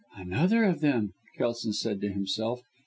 "Another of them," Kelson said to himself.